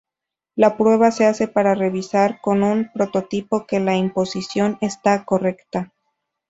La prueba se hace para revisar con un prototipo que la imposición está correcta.